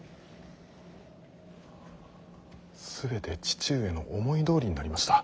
全て父上の思いどおりになりました。